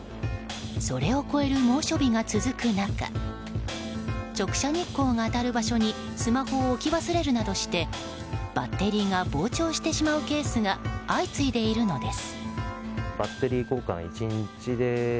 それを超える猛暑日が続く中直射日光が当たる場所にスマホを置き忘れるなどしてバッテリーが膨張してしまうケースが相次いでいるのです。